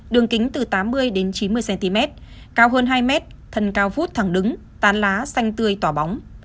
đường kính từ tám mươi đến chín mươi cm cao hơn hai m thân cao vút thẳng đứng tan lá xanh tươi tỏa bóng